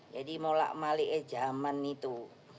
jadi mulak maliknya zaman itu